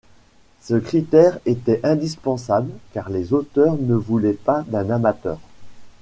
Ce critère était indispensable car les auteurs ne voulaient pas d'un amateur.